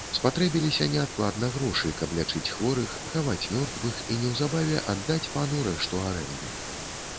Спатрэбіліся неадкладна грошы, каб лячыць хворых, хаваць мёртвых і неўзабаве аддаць пану рэшту арэнды.